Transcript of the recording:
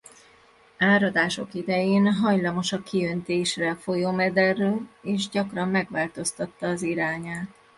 Áradások idején hajlamos a kiöntésre a folyómederről és gyakran megváltoztatta az irányát.